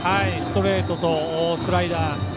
ストレートとスライダー。